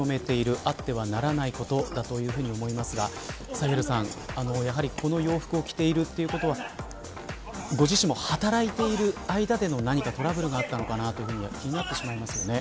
あってはならないことだというふうに思いますがサヘルさん、やはりこの洋服を着ているということはご自身も働いている間での何かトラブルがあったのかなと気になってしまいますね。